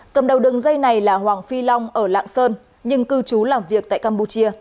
cầm đầu đường dây này là hoàng phi long ở lạng sơn nhưng cư trú làm việc tại campuchia